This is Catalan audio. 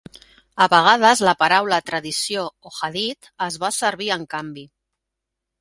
A vegades la paraula "tradició" o "hadith" es va servir en canvi.